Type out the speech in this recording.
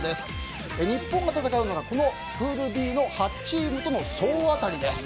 日本が戦うのはこのプールＢの８チームとの総当たりです。